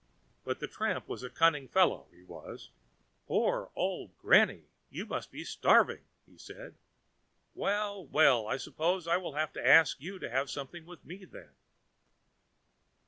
But the tramp was a cunning fellow, he was. "Poor old granny, you must be starving," he said. "Well, well, I suppose I shall have to ask you to have something with me, then?"